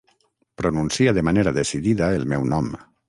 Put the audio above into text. Pronuncia de manera decidida el meu nom.